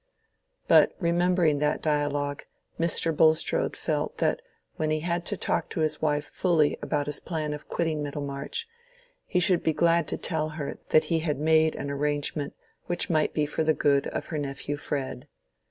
But remembering that dialogue, Mr. Bulstrode felt that when he had to talk to his wife fully about his plan of quitting Middlemarch, he should be glad to tell her that he had made an arrangement which might be for the good of her nephew Fred.